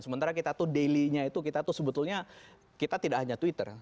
sementara kita tuh daily nya itu kita tuh sebetulnya kita tidak hanya twitter